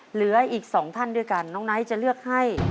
เหลืออีก๒ท่านด้วยกันน้องไนท์จะเลือกให้